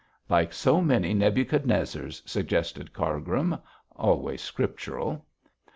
'Like so many Nebuchadnezzars,' suggested Cargrim, always scriptural.